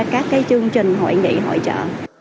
các cái chương trình hội nghị hội trợ